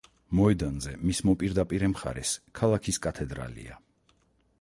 მოედანზე მის მოპირდაპირე მხარეს ქალაქის კათედრალია.